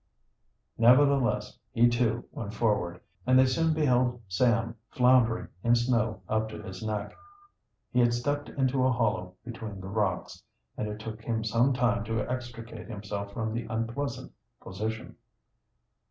Nevertheless, he too went forward, and they soon beheld Sam floundering in snow up to his neck. He had stepped into a hollow between the rocks, and it took him some time to extricate himself from the unpleasant position.